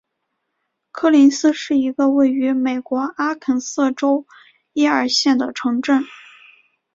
科林斯是一个位于美国阿肯色州耶尔县的城镇。